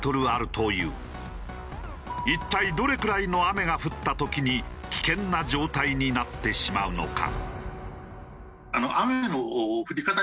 一体どれくらいの雨が降った時に危険な状態になってしまうのか？